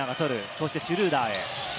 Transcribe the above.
そしてシュルーダーへ。